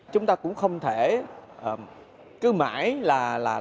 chúng ta cũng không thể cứ mãi là